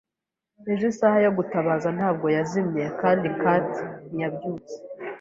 Ejo isaha yo gutabaza ntabwo yazimye kandi Kurt ntiyabyutse.